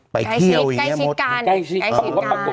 ไปเที่ยวใกล้ชิดกัน